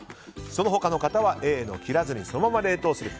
その他の方はＡの切らずにそのまま冷凍する。